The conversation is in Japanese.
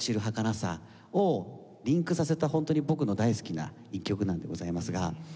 はかなさをリンクさせた本当に僕の大好きな１曲なんでございますが。